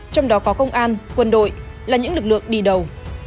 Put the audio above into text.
trong đó có công an quân đội là những lực lượng đi đầu